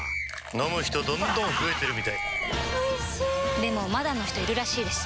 飲む人どんどん増えてるみたいおいしでもまだの人いるらしいですよ